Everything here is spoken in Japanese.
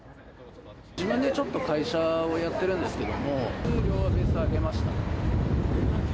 自分でちょっと会社をやってるんですけども、給料はベース上げましたね。